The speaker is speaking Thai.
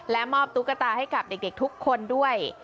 มอบตุ๊กตาให้กับเด็กทุกคนด้วย